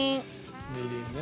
みりんね。